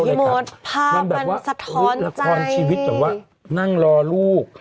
โอ้โหพี่มดภาพมันสะท้อนใจนั่งรอลูก